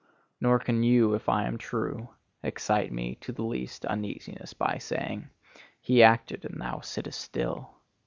Nor can you, if I am true, excite me to the least uneasiness by saying, 'He acted and thou sittest still.